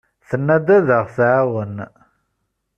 Tenna-d ad aɣ-tɛawen.